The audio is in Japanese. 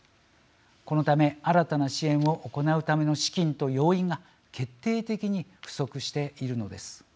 このため新たな支援を行うための資金と要員が決定的に不足しているのです。